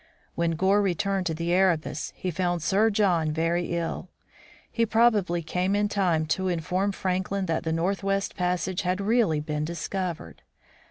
When Gore returned to the Erebus he found Sir John very ill. He probably came in time to inform Franklin that the northwest passage had really been discovered.